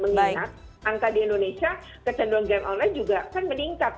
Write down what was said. mengingat angka di indonesia kecenderungan game online juga kan meningkat